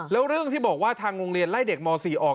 แล้วเรื่องที่บอกว่าทางโรงเรียนไล่เด็กม๔ออก